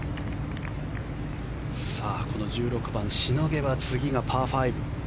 この１６番しのげば次がパー５。